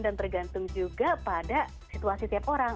dan tergantung juga pada situasi tiap orang